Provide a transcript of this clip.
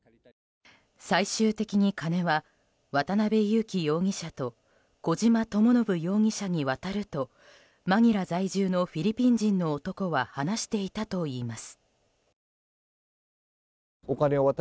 最終的に金は渡邉優樹容疑者と小島智信容疑者に渡るとマニラ在住のフィリピン人の男は話していたといいます。